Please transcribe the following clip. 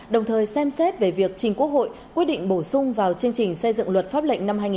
đồng thời xem xét về việc chính quốc hội quyết định bổ sung vào chương trình xây dựng luật pháp lệnh